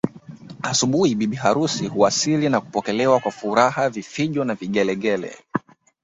Asubuhi bibi harusi huwasili na kupokelewa kwa furaha vifijo na vigelegele